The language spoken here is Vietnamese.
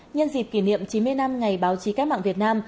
nhân dịp kỷ niệm chín mươi năm ngày báo chí cách mạng việt nam